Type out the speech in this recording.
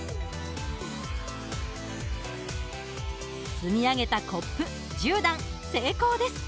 積み上げたコップ１０段成功です。